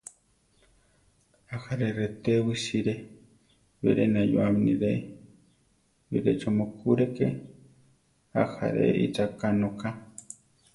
Ajaré retewi sire; biré nayúame níre, birecho mukúreke, ajáre icháka nóka.